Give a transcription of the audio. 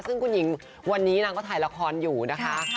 ซึ่งคุณหญิงวันนี้นางก็ถ่ายละครอยู่นะคะ